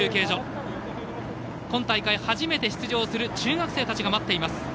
今大会初めて出場する中学生たちが待っています。